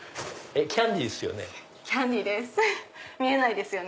キャンディーですよね？